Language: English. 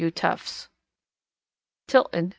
W. TUFTS. _Tilton, N.